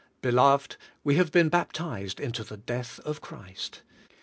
Be loved, we have been baptized into the death of Christ.